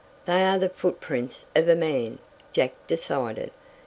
"They are the footprints of a man," Jack decided.